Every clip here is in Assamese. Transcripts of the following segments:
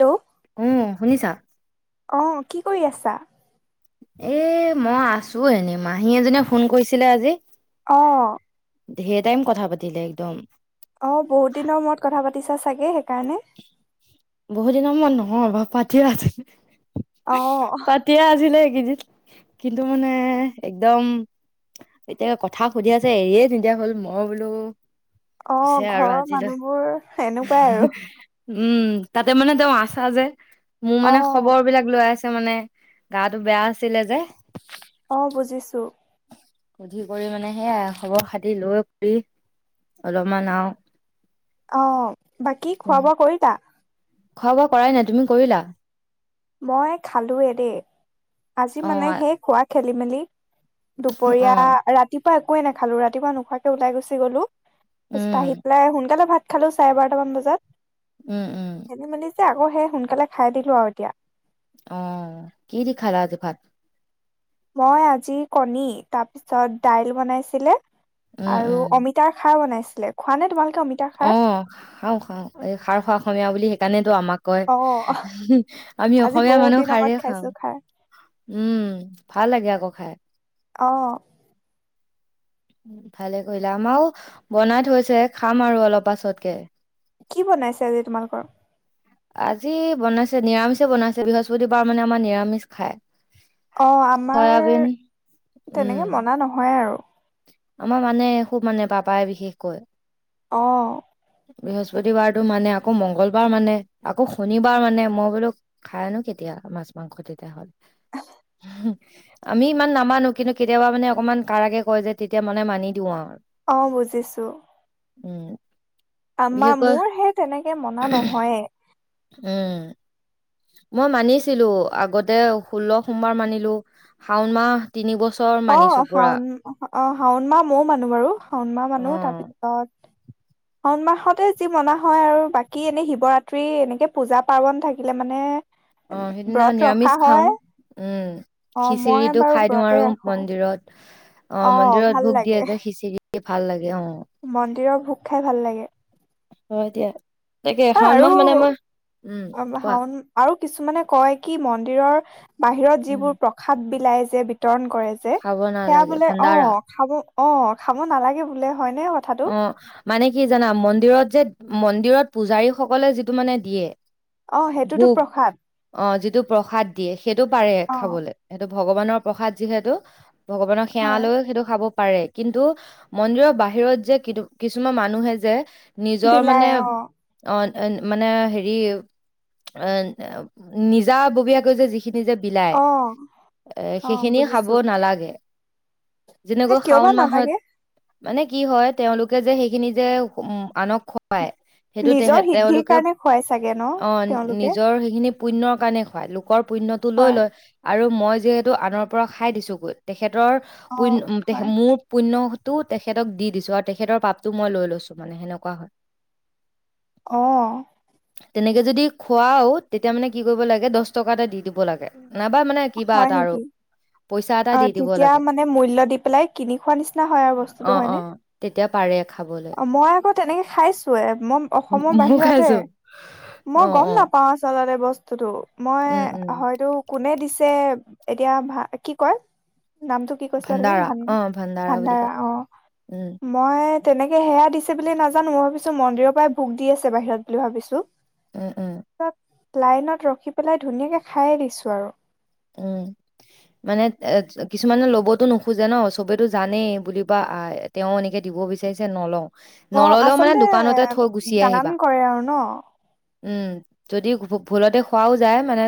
হেল্ল' উম', শুনিছা?। অ', কি কৰি আছা? এ ', মই আছো এনে মাহী এজনীয়ে ফোন কৰিছিলে আজি। অ', ধেৰ টাইম কথা পাতিলে একদম। অ' বহুত দিনৰ মূৰত কথা পাতিছা চাগে সেইকাৰণে। বহুত দিনৰ মৰত নহয় ভ। পাঠ আ', অ' পাতিয়ে আছিলে ইকেইদিন। কিন্তু মানে একদম এতিয়াে কথা সুধি আছে এৰিয়ে নিদিয়া হল মই বোলো হৈছে অ', আৰু ঘৰৰ আজিলৈ মানুহবোৰ এনেকুৱাই আৰু। উম', তাতে মানে তেওঁ আছা যে। মোৰ মানে অ' খবৰ বিলাক লৈ আছে। মানে গাটো বেয়া আছিলে যে। অ', বুজিছোঁ। সুধি কৰি মানে সেয়া খবৰ খাতি লৈ কৰি অলপমান আওঁ। অ ', বাকী খোৱা বোৱা কৰিলা? খোৱা বোৱা কৰাই নাই তুমি কৰিলা? মই খালোয়ে দেই আজি অ মানে সেই খোৱা। খেলি মেলি। অ দুপৰীয়া ৰাতি। পা একোৱে নাখালো ৰাতিপোৱা নোখোৱাকে উলাই গুছি গলো। উম খোজকাঢ়ি পেলাই সোনকালে ভাত। খালো চাৰে বাৰটামান বজাত উম উম খেলি মেলি যে আকৌ সে সোনকালে খাই দিলো আৰু এতিয়া, আহ কি দি খালা আজি ভাত? মই আজি কণী তাৰ পিছত দাইল বনাইছিলে। উম, আৰু উম, অমিতাৰ শাক বনাইছে। আছিলে খোৱা নে তোমালোকে অমিতাৰ অ খাৰ খাওঁ খাওঁ এই শাৰ খোৱা অসমীয়া বুলি। কাৰলে আমাক অ আমি আজি অসমীয়া বহুত মানুহ দিনৰ খাৰ মূৰত খাওঁ খাইছো খাৰ উম ভাল লাগে আকৌ খাই। অ ভালে কৰিলা আমাৰও বনাই থৈছে খাম আৰু অলপ পাছতকে কি বনাইছে আজি তোমালোকৰ আজি বনাইছে নিৰামিষে বনাইছে বৃহস্পতিবাৰ মানে আমাৰ নিৰামিষ খাই। অ আমাৰ উম, তেনেকে মনা নহয় আৰু। আমাৰ মানে খুব মানে পাপাই বিশেষকৈ। অ বৃহস্পতিবাৰতটো মানে আকৌ মংগলবাৰ মানে আকৌ শনিবাৰ মানে মই বোলো খাই আনো কেতিয়া মাছ মাংস তেতিয়া হ'ল উম আমি ইমান নামানো কিন্তু কেতিয়াবা মানে অকমান কাৰাগে। কয় যে তেতিয়া মানে মানি দিওঁ আৰু। অ বুজিছো উম আমাৰ বিশেষকৈ মোৰ সেই তেনেকে মনা নহয়। এহ মই মানিছিলো আগতে ষোল্ল সোমবাৰ মানিলো শাওন মাহ তিনিবছৰ অ শাওন অ শাওন মাহ মইও মানো বাৰু শাওন মাহ অ মানো তাৰপিছত শাওন মাহ মাহতে যি মনা হয় আৰু বাকী এনেই শিৱৰাত্ৰি এনেকৈ পূজা পাৰ্বণ থাকিলে মানে। অ সেইদিনা ব্ৰত ৰখা নিৰামিষ হয় খাও উম। অ মই খিচিৰিটো বাৰু খাই দিওঁ ব্ৰতে আৰু ৰাখো মন্দিৰত। অঁ অ মন্দিৰত ভাল ভোক লাগে দিয়ে যে খিচিৰি ভাল লাগে অ মন্দিৰৰ ভোক খাই ভাল লাগে হয় দিয়া। তাকে অ শাওণ আৰু মাহ মানে মই। উম কোৱা? শাওন আৰু কিছুমানে কয় কি মন্দিৰৰ বাহিৰত উম যিবোৰ প্ৰসাদ বি ওলাই যে বিতৰণ কৰে যে খাব সেয়া নালাগে বোলে অ ভাণ্ডাৰা খাব অ খাব নালাগে বোলে। হয়নে অ কথাটো? মানে কি জানা? মন্দিৰত যে মন্দিৰত পূজাৰী সকলে যিটো মানে দিয়ে অ সেইটোতো ভোগ প্ৰসাদ অ যিটো প্ৰসাদ দিয়ে। সেইটো পাৰে অ খাবলে। সেইটো ভগৱানৰ প্ৰসাদ যিহেতু। ভগৱানৰ সেৱা হয় লৈও সেইটো খাব পাৰে কিন্তু মন্দিৰৰ বাহিৰত যে কিটু - কিছুমান মানুহে যে নিজৰ বিলাই মানে অ অঁ মানে হেৰি অঁ নিজাববীয়াকৈ যে যি খিনি যে বিলায় অ এ অ সেইখিনি খাব বুজিছো নালাগে। এ যেনেকৈ কিয় বা শাওণ মাহত নালাগে মানে কি হয় তেওঁলোকে যে সেইখিনি যে আনক খুৱায় সেইটো তে নিজৰ সিদ্ধিৰ তেওঁলোকে কাৰণে খুৱাই চাগে ন অ তেওঁলোকে নিজৰ সেইখিনি পুণ্যৰ কাৰণে খুৱায় লোক লোকৰ পুণ্যটো লৈ হয় লয় আৰু মই যিহেতু আনৰ পৰা খাই দিছোঁ গৈ তেখেত তৰ অ পুণ, হয় মোৰ পুণ্য তো তেখেতক দি দিছো আৰু তেখেতৰ পাপটো মই লৈ লৈছো মানে সেনেকুৱা হয় অ তেনেকে যদি খুৱাও তেতিয়া মানে কি কৰিব লাগে দহ টকা এটা দি দিব লাগে নাইবা মানে কিবা হয় এটা আৰু নেকি? পইচা এটা অ দি দিব তেতিয়া লাগে মানে মূল্য দি পেলাই কিনি খোৱা নিচিনা হয় আৰু বস্তুটো অ অ হয়নে? তেতিয়া পাৰে খাবলৈ অ মই আকৌ তেনেকে খাইছো এ মই অসমৰ ময়ো বাহিৰতে। খাইছো অ মই গম অ নাপাও আচলতে বস্তু বস্তোটো মই উম উম হয়তো কোনে দিছে যে এতিয়া ভা কি কয় নামটো কি কৈছিলা তুমি ভাণ্ডাৰা ভান অ বুলি ভাণ্ডাৰা কয় অ উম মই তেনেকে সেয়া দিছে বুলি নাজানো, মই ভাবিছো মন্দিৰৰ পৰাই ভোগ দি আছে বাহিৰত বুলি ভাবিছোঁ। উম উম তাত লাইনত ৰখি পেলাই ধুনীয়াকে খায়েই দিছোঁ আৰু উম মানে এ কিছুমানে ল'বতো নোখোজে ন চবেতো জানেই বুলিবা আহ তেওঁ এনেকে দিব বিচাৰিছে নলওঁ। অ নললেও মানে আচলতে দোকানতে থৈ গুচি আহিবা দান কৰে আৰু ন। উম যদি ভুলতে খোৱাও যায় মানে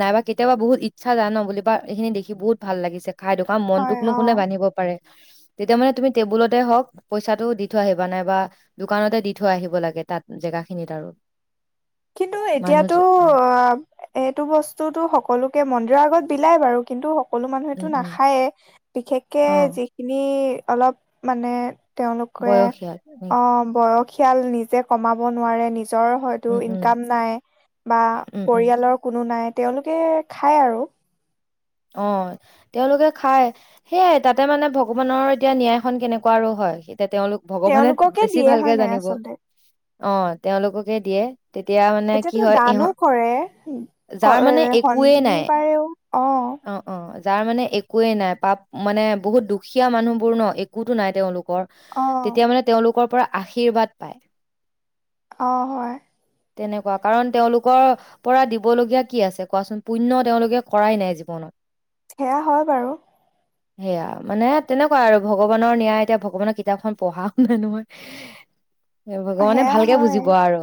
নাইবা কেতিয়াবা বহুত ই- ইচ্ছা যায় ন বুলি বা এইখিনি দেখি বহুত ভাল লাগিছে। খাই ধকা হয় মনটোকনো অ কোনে বান্ধিব পাৰে। তেতিয়া মানে তুমি টেবুলতে হওক পইচাটো দি থৈ আহিবা নাই বা দোকানতে দি থৈ আহিব লাগে তাত জেগা খিনিত আৰু কিন্তু মানুহ এতিয়াতো জ- উম অ এইটো বস্তুতটো সকলোকে মন্দি- যোৱা আগত বিলাই বাৰু কিন্তু সকলো মানুহেতো উম উম নাখায়েই বিশেষকে অ যিখিনি অলপ মানে তেওঁলোকে বয়সীয়াল উম অ বয়সি- সীয়াল নিজে কমাব নোৱাৰে নিজ নিজৰ হয়টো উম উম কাম নাই বা উম উম পৰিয়ালৰ কোনো নাই। তেওঁলোকে খায় আৰু অ তেওঁলোকে খাই সেয়াই তাতে মানে ভগৱানৰ এতিয়া ন্যায়খন কেনেকুৱা আৰু হয়। তে তেওঁলোক ভগৱানে তেওঁলোককে বেছি দিয়ে ভালকে হয় নাই জানিব। আচলতে অ তেওঁলোককে দিয়ে। তেতিয়া মানে কি এতিয়াতো হয় ইহ দানো কৰে, যাৰ মানে একোৱেই নাই শনিবাৰেও অ অ যাৰ মানে একোৱেই নাই পাপ মানে বহুত দুখীয়া মানুহ বোৰ ন একোতো নাই তেওঁলোক। কৰ, অ তেতিয়া মানে তেওঁলোকৰ পৰা আশীৰ্বাদ পায়। অ হয়। তেনেকুৱা কাৰণ তেওঁলোকৰ পৰা দিবলগীয়া কি আছে কোৱা চোন? পুণ্য তেওঁলোকে কৰাই নাই জীৱনত। সেয়া হয় বাৰু। সেয়া মানে তেনেকুৱা আৰু ভগৱানৰ নিয়ায় এতিয়া ভগৱানৰ কিতাপখন পঢ়াও নাই নহয়। ভগৱানে সেয়া ভালকে হয়। বুজিব আৰু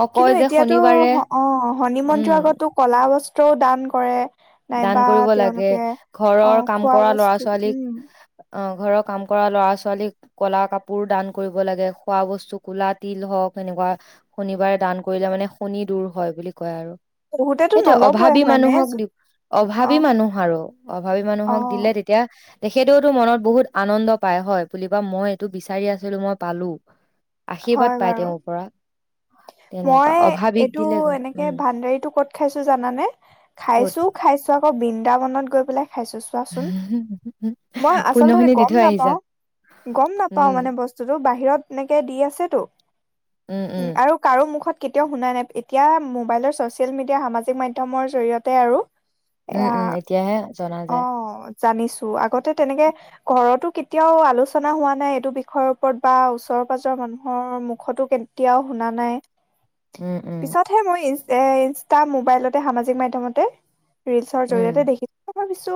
অ কয় কিন্তু যে এতিয়াতো শনিবাৰে অ শনি মন্দিৰ উম আগতো কলা বস্ত্ৰও দান কৰে, দান নাইবা কৰিব লাগে তেওঁলোকে অ ঘৰৰ কাম খোৱা কৰা ল'ৰা বস্তু ছোৱালীক উম অ ঘৰৰ কাম কৰা লৰা ছোৱালীক ক'লা কাপোৰো দান কৰিব লাগে, খোৱা বস্তু কলা তিল হওক এনেকুৱা শনিবাৰে দান কৰিলে মানে শনি দূৰ হয় বুলি কয় আৰু বহুতেতো সেইটোয়ে নলবই অভাৱী হয়নে মানুহক দিওঁ। অভাৱ অ ভাবি মানুহ আৰু অভাৱী অ মানুহক দিলে তেতিয়া তেখেতেওতো মনত বহুত আনন্দ পায় হয় বুলিবা মই এইটো বিচাৰি আছিলো মই পালো হয় আশীৰ্বাদ পাই বাৰু তেওঁৰ পৰা তেনেকুৱা মই অভাৱীক এইটো দিলে এনেকে উম ভাণ্ডাৰীতটো ক'ত খাইছো জানানে ক'ত খাইছো খাইছো আকৌ বিন্দ বিন্দাবনত গৈ পেলাই খাইছো চোৱাচোন মই আচলতে পূণ্যখিনি দি গম থৈ আহিছা। নাপাও গম নাপাওঁ‌ উম, মানে বস্তুতটো বাহিৰত এনেকে দি আছেতো উম আৰু মুখত কেতিয়াও শুনা নাই এতিয়া মবাইলৰ চচিয়েল মিডিয়া সামাজিক মাধ্যমৰ জৰিয়তে আৰু উম এয়া উম এতিয়াহে জনা অ যায়। জানিছো আগতে তেনেকে ঘৰতো কেতিয়াও আলোচনা হোৱা নাই এইটো বিষয়ৰ ওপৰত বা ওচৰ পাজৰৰ মানুহৰ মুখতো কেতিয়াও শুনা নাই উম, উম, পিছতহে মই এ ইনষ্টা মোবাইলতে সামাজিক মাধ্যমতে ৰিলচৰ উম, জৰিয়তে দেখি ভাবিছো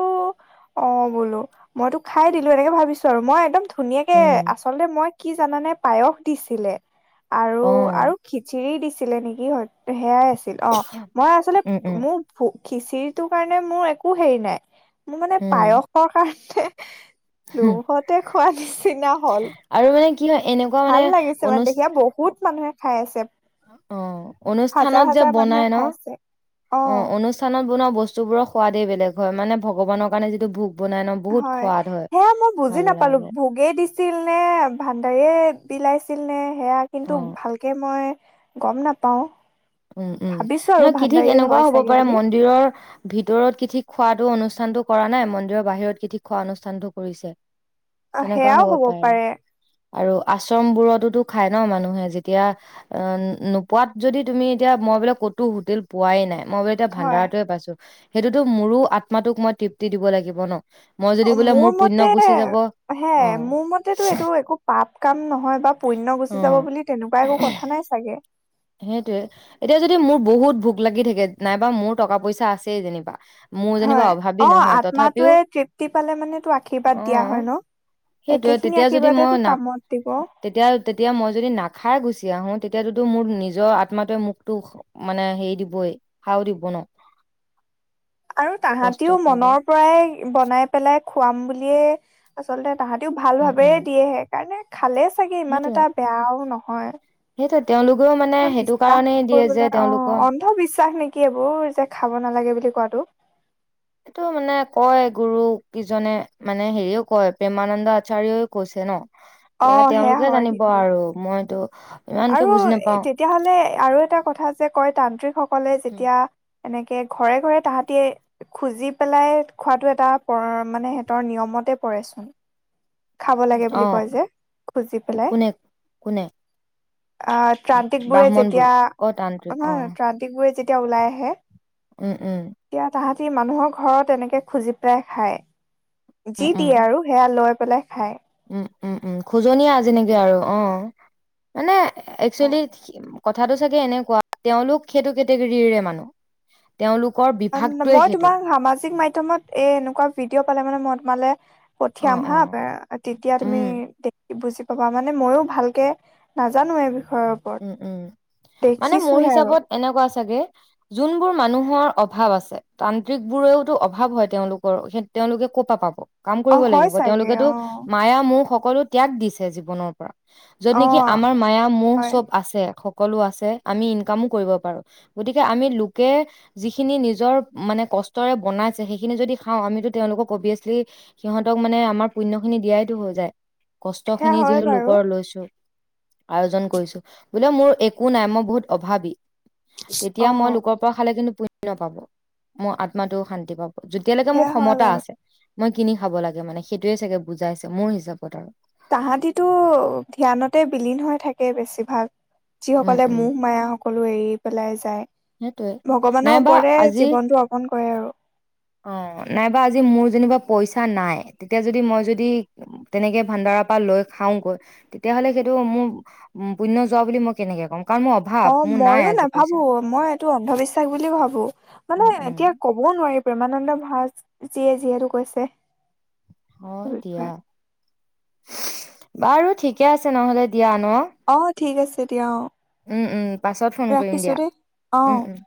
অ' বোলো মইতো খাই দিলোঁ‌ এনেকে ভাবিছো আৰু মই একদম ধুনীয়াকে উম, আচলতে মই কি জানানে পায়স দিছিলে আৰু আৰু অ', খিচিৰি দিছে আছিলে নেকি সেয়াই এ আছিল অ' মই আচলতে উম, উম, মোৰ খিচিৰিটো কাৰণে মোৰ একো হেৰি নাই মোৰ মানে উম, পায়সৰ কাৰণে খ হুম। দুহতে খোৱাৰ নিচিনা হল আৰু মানে কি হয় এনেকুৱা মানে ভাল লাগিছে মানে অনুচ দেখা বহুত মানুহে খাই আছে। অ' হাজাৰ অনুষ্ঠানত যে হাজাৰ মানুহে বনাই ন খাই আছে অ অনুষ্ঠানত বোৱা বস্তু বোৰৰ সোৱাদেই বেলেগ হয় মানে ভগৱানৰ কাৰণে যিটো ভোগ বনাই ন বহুত হয় সোৱাদ সেয়া মই বুজি ভাল নাপালো লাগে ভোগে দি ছিল নে ভাণ্ডাৰে বিলাইছিল নে সেয়া কিন্তু অ', ভালকৈ মই গম নাপাওঁ‌ উম উম নহয় কিঠি কেনেকুৱাও হ'ব চাগে পাৰে বুলি মন্দিৰৰ ভিতৰত কিঠিক খোৱাতটো অনুষ্ঠানটো কৰা নাই মন্দিৰৰ বাহিৰত কিঠিক খোৱা অনুষ্ঠানটো কৰিছে অ' সেয়াও হ'ব পাৰে আৰু আশ্ৰম বোৰতোতো খাই ন মানুহে যেতিয়া অ নোপোৱাত যদি তুমি এতিয়া মই বোলে ক'তো হোটেল পোৱাই নাই। মই গৈ এতিয়া হয় ভাণ্ডাৰটে পাইছো সেইটোতো মোৰো আত্মাতোক মই তৃপ্তি দিব লাগিব ন মই যদি অ বোলে মোৰ পুণ্য মতে গুচি যাব হে অ মোৰ মতেতটো এইটো একো পাপ কাম নহয় বা পুণয় অ গুচি যাব বুলি তেনেকুৱা একো কথা নাই চাগে? সেইটোয়ে এতিয়া যদি মোৰ বহুত ভোক লাগি থাকে নাইবা মোৰ টকা পইচা আছেই যেনিবা মোৰ যেনিবা হয় অভাৱী অ নহয় তথাপিও আত্মাটোৱে তৃপ্তি পালে মানেতো আশীৰ্বাদ অ দিয়া হয় ন সেইটোৱে একেখিনি তেতিয়া যদি মই আশীৰ্বাদেতো না কামত দিব তেতিয়া তেতিয়া মই যদি নাখাই গুচি আহো তেতিয়াতোতো মোৰ নিজৰ আত্মাতোৱে মুকতো মানে হেৰি দিবই সাও দিব ন আৰু কষ্ট তাহাঁতিও পাব মনৰ পৰাই বনাই পেলাই খুৱাম বুলিয়ে আচলতে তাহাঁতিও ভাল উম ভাবেই উম দিয়ে হে কাৰণে খালেচ চাগে ইমান সেইটোয়ে এটা বেয়াও নহয় সেইটোয়ে তেওঁলোকেও মানে সেইটো বিশ্বাস কাৰণেই দিয়ে যে কৰিবলৈ অ তেওঁলোকৰ অন্ধবিশ্বাস নেকি এইবোৰ যে খাব নালাগে বুলি কোৱাটো এইটো মানে কয় গুৰু কিজনে মানে হেৰিও কয় প্ৰেমানন্দ আচাৰ্যও কৈছে ন অ এতিয়া সেয়া তেওঁলোকে হয় জানিব কিন্তু। আৰু মইতো ইমানকে আৰু বুজি নাপাও তেতিয়াাহলে আৰু এটা কথা যে কয় তান্ত্ৰিক সকলে উম, যেতিয়া এনেকে তে ঘৰে ঘৰে তাহাঁতি খুজি পেলাই খোৱাটো এটা মানে সিহঁতৰ নিয়মতে পৰেচোন খাব লাগে অ বুলি কয় যে খুজি পেলাই কোনে কোনে আহ ত্ৰান্তিক বোৰে ব্ৰাহ্মণ বোৰ যেতিয়া অ তান্ত্ৰিক অ ত্ৰান্তিক বোৰে যেতিয়া এতিয়া ওলাই আহে উম উম তেতিয়া তাহাঁতি মানুহৰ ঘৰত এনেকে খুজি পেলাই খায় উম যি দিয়ে আৰু সেয়া লৈ পেলাই খায় উ উম উম খোজনীয়া যেনেকৈ আৰু অ মানে অ একচলি কথাটো চাগে এনেকুৱা তেওঁলোক সেইটো কেটেগীৰীৰে মানুহ তেওঁলোকৰ বিভাগটোৱে মই সেইটো তোমাৰ সামাজিক মাধ্যমত এ এনেকুৱা ভিডিঅ' পালে মানে মই তোমালে পঠিয়াম অ', হা অ', তেতিয়া তুমি উম, বুজি পাবা মানে মইয়ো ভালকে নাজানো বিষয়ৰ ওপৰত উম উম মানে মোৰ দেখিছোহে আৰু হিচাপত এনেকুৱা আছে চাগে যোনবোৰ মানুহৰ অভাৱ আছে তান্ত্ৰিক বোৰেওতো অভাৱ হয় তেওঁলোকৰ সেই তেওঁলোকে ক'ৰ পৰা পাব কাম অ কৰিব হয় লাগিব চাগে তেওঁলোকেতো অ মায়া মোহ সকলো ত্যাগ দিছে জীৱনৰ য'ত অ নেকি আমাৰ মায়া মোহ হয় চব আছে সকলো আছে আমি ইনকামো কৰিব পাৰো গতিকে আমি লোকে যিখিনি নিজৰ মানে কষ্টৰে বনাইছে সেইখিনি যদি খাওঁ আমিতো তেওঁলোকক অভিয়াচলি সিহঁতক মানে আমাৰ পুণ্য খিনি দিয়াই টো হৈ যায় কষ্ট সেয়া খিনি হয় যিহেতু বাৰু লোকৰ লৈছো আয়োজন কৰিছো বোলে মোৰ একো নাই মই বহুত অভাৱী অ তেতিয়া মই লোকৰ পৰা খালে কিন্তু পুণ্য পাম মোৰ আত্মাটো শান্তি পাব যেতিয়ালৈকে মোৰ সেয়া হয় ক্ষমতা বাৰু আছে মই কিনি খাব লাগে মানে সেইটোয়ে চাগে বুজাইছে মোৰ হিচাপত আৰু তাহাঁতিতো ধ্যানতে বিলীন হৈ থাকে বেছিভাগ যি উম সকলে উম মূহ মায়া সকলো এৰি পেলাই যায়। সেইটোয়ে ভগৱানৰ নাইবা ওপৰতে আজি জীৱনটো অৰ্পন কৰে আৰু অ নাইবা আজি মোৰ যেনিবা পইচা নাই তেতিয়া যদি মই যদি তেনেকে ভাডাৰাৰ পৰা লৈ খাওগৈ তেতিয়াহ'লে সেইটো মোৰ পুণ্য যোৱা বুলি মই কেনেকে কম, কাৰণ মোৰ অভাৱ অ মোৰ নাই ময়ো আজি পইচা নাভাবো মই এইটো অন্ধবিশ্বাস বুলি ভাবো মানে উম উম এতিয়া কবও নোৱাৰি প্ৰেমানন্দ ভাৰজীয়ে যিহেতু কৈছে। হয় দিয়া। বিষয়ে বাৰু ঠিকে আছে নহ'লে। তিয়া ন অ ঠিক আছে দিয়া অ। উম উম পাছত ফোন কৰিম ৰাখিছো দিয়া দেই উম অ উম